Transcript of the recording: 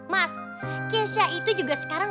mas keisha itu juga sekarang